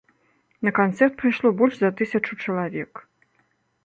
На канцэрт прыйшло больш за тысячу чалавек.